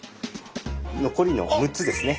残りの六つですね。